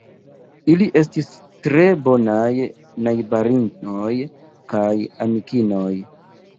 Ili estis tre bonaj najbarinoj kaj amikinoj.